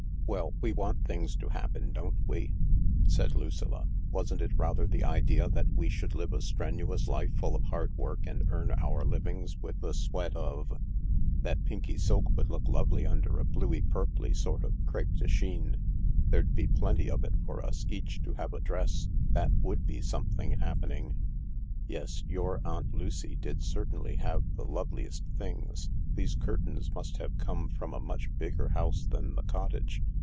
" Well, we want things to happen, don't we ?" said Lucilla. " Wasn't it rather the idea that we should live a strenuous life full of hard work, and earn our own livings with the sweat gut 220 THE LARK of 4 . 4 That pinky silk would look lovely under a bluey purply sort of crepe de chine. There 'd be plenty of it for us each to have a dress. That would be something happening. ,," Yes. Your Aunt Lucy did certainly have the loveliest things. These curtains must have come from a much bigger house than the cottage.